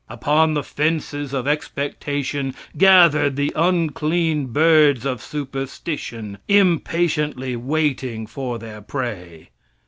Upon the fences of expectation gathered the unclean birds of superstition, impatiently waiting for their prey.